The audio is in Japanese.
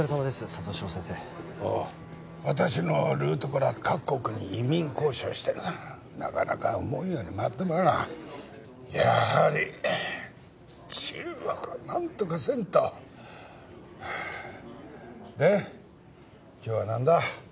里城先生ああ私のルートから各国に移民交渉してるがなかなか思うようにまとまらんやはり中国を何とかせんとで今日は何だ？